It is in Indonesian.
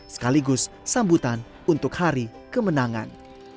sekaligus sambutan untuk hari kemenangan